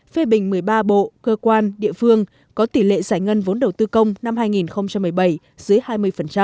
phê bình một mươi ba bộ cơ quan địa phương có tỷ lệ giải ngân vốn đầu tư công năm hai nghìn một mươi bảy dưới hai mươi